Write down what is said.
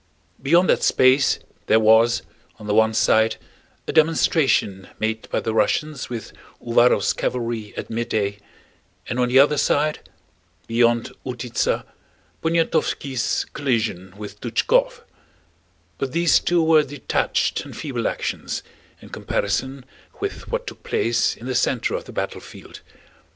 Beyond that space there was, on the one side, a demonstration made by the Russians with Uvárov's cavalry at midday, and on the other side, beyond Utítsa, Poniatowski's collision with Túchkov; but these two were detached and feeble actions in comparison with what took place in the center of the battlefield.